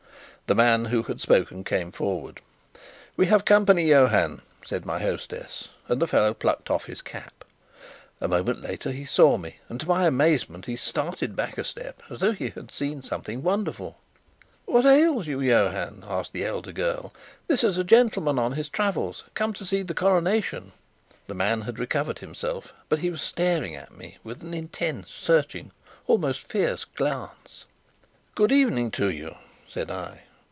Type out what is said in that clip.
The man who had spoken came forward. "We have company, Johann," said my hostess, and the fellow plucked off his cap. A moment later he saw me, and, to my amazement, he started back a step, as though he had seen something wonderful. "What ails you, Johann?" asked the elder girl. "This is a gentleman on his travels, come to see the coronation." The man had recovered himself, but he was staring at me with an intense, searching, almost fierce glance. "Good evening to you," said I.